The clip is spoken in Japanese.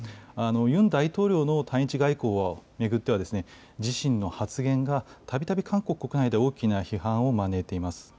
ユン大統領の対日外交を巡っては、自身の発言がたびたび韓国国内で大きな批判を招いています。